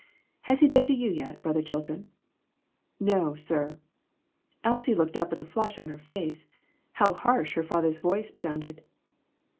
Has he been to you yet, Brother Chilton ?"" No, sir." Elsie looked up with a flush on her face. How harsh her father's voice sounded